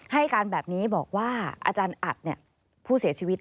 ให้การแบบนี้บอกว่าอาจารย์อัดผู้เสียชีวิต